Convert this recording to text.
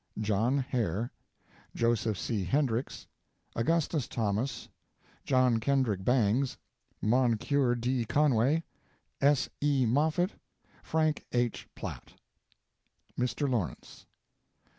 John Hare, Joseph C. Hendrix, Augustus Thomas, John Kendrick Bangs, Moncure D. Conway, S. E. Moffett, [and] Frank H. Platt. MR. LAWRENCE.